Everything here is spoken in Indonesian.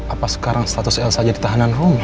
apa sekarang status elsa jadi tahanan rumah